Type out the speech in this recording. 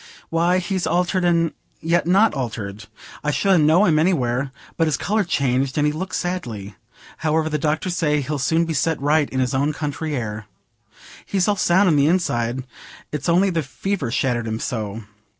"Why, he's altered and yet not altered. I should ha' known him anywhere. But his colour's changed, and he looks sadly. However, the doctors say he'll soon be set right in his own country air. He's all sound in th' inside; it's only the fever shattered him so.